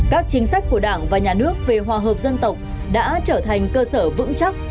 các chính sách của đảng và nhà nước về hòa hợp dân tộc đã trở thành cơ sở vững chắc